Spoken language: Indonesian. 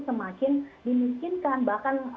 semakin dimikinkan bahkan